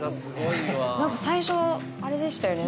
何か最初あれでしたよね